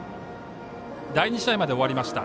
第２試合まで終わりました。